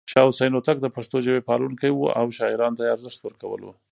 شاه حسين هوتک د پښتو ژبې پالونکی و او شاعرانو ته يې ارزښت ورکولو.